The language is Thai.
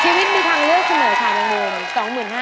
ชีวิตมีทางเลือกเสนอค่ะแมงมุม